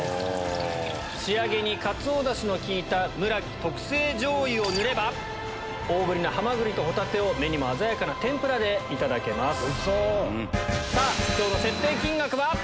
仕上げにかつおダシの効いたむらき特製じょうゆを塗れば大ぶりなハマグリとホタテを目にも鮮やかな天ぷらでいただけます。